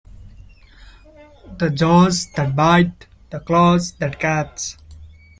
The jaws that bite, the claws that catch!